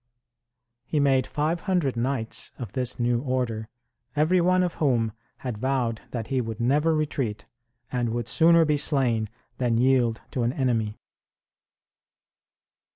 He made five hundred knights of this new order, every one of whom had vowed that he would never retreat, and would sooner be slain than yield to an enemy.